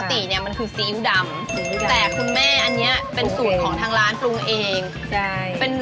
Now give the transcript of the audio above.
ปกติเนี่ยมันคือซีอิ๊วดำแต่คุณแม่อันนี้เป็นสูตรของทางร้านปรุงเองใช่เป็น